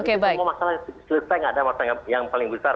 itu semua masalah yang selesai tidak ada masalah yang paling besar